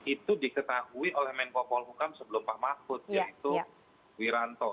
itu diketahui oleh menko polhukam sebelum pak mahfud yaitu wiranto